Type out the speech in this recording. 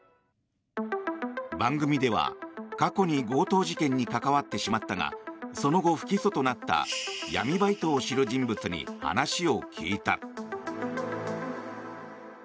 番組では、過去に強盗事件に関わってしまったがその後、不起訴となった闇バイトを知る人物に話を聞いた。